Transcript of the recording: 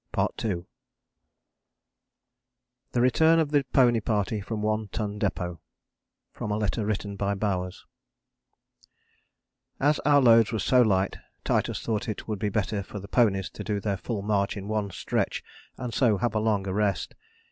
THE RETURN OF THE PONY PARTY FROM ONE TON DEPÔT (From a Letter written by Bowers) As our loads were so light Titus thought it would be better for the ponies to do their full march in one stretch and so have a longer rest.